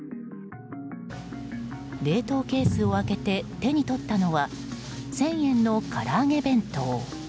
冷凍ケースを開けて手に取ったのは１０００円の唐揚げ弁当。